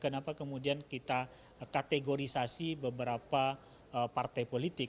kenapa kemudian kita kategorisasi beberapa partai politik